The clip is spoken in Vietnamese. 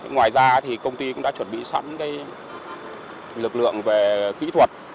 ngoài ra thì công ty cũng đã chuẩn bị sẵn lực lượng về kỹ thuật